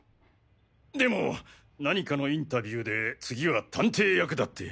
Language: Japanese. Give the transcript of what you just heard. でも何かのインタビューで次は探偵役だって。